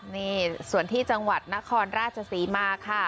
นี่ส่วนที่จังหวัดนครราชศรีมาค่ะ